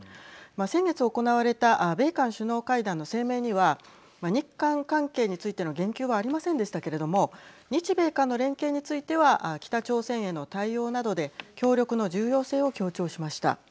先月、行われた米韓首脳会談の声明には日韓関係についての言及はありませんでしたけども日米韓の連携については北朝鮮への対応などで協力の重要性を強調しました。